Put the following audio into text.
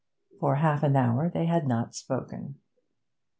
For half an hour they had not spoken.